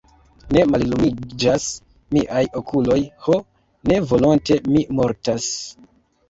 Ne, mallumiĝas miaj okuloj, ho, ne volonte mi mortas.